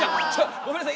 ごめんなさい